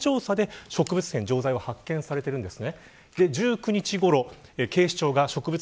この調査で植物片と錠剤が発見されています。